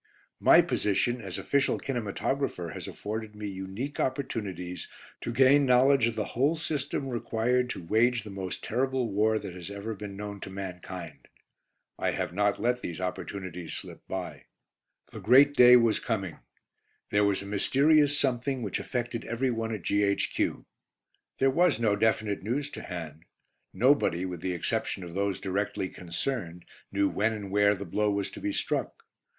My position as Official Kinematographer has afforded me unique opportunities to gain knowledge of the whole system required to wage the most terrible war that has ever been known to mankind. I have not let these opportunities slip by. The great day was coming; there was a mysterious something which affected everyone at G.H.Q. There was no definite news to hand; nobody, with the exception of those directly concerned, knew when and where the blow was to be struck.